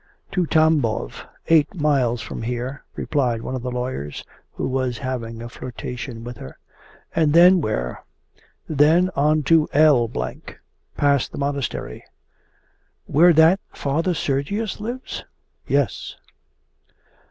'To Tambov, eight miles from here,' replied one of the lawyers, who was having a flirtation with her. 'And then where?' 'Then on to L , past the Monastery.' 'Where that Father Sergius lives?' 'Yes.